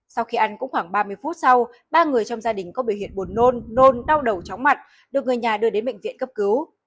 sau khi ăn cũng khoảng ba mươi phút sau ba người trong gia đình có biểu hiện buồn nôn nôn đau đầu chóng mặt được người nhà đưa đến bệnh viện cấp cứu